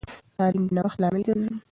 تعلیم د نوښت لامل ګرځي.